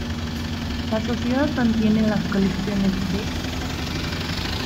La Sociedad mantiene las colecciones de-